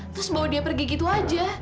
terus bawa dia pergi gitu aja